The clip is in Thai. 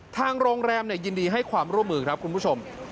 ทางโรงแรมยินดีให้ความร่วมมือครับคุณผู้ชม